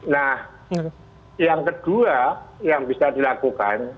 nah yang kedua yang bisa dilakukan